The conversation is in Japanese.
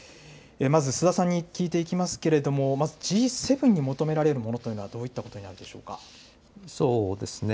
須田さんに聞いていきますが、Ｇ７に求められるものというのはどういったところになるでしょうか。